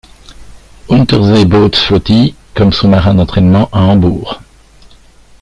Unterseebootsflottille comme sous-marin d’entraînement à Hambourg.